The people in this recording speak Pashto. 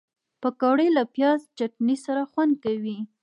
پکورې له پیاز چټني سره خوند کوي